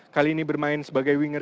kali ini bermain sebagai winger